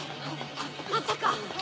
まさか！